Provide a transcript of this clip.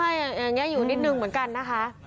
ใช่อย่างนี้อยู่นิดนึงเหมือนกันนะคะ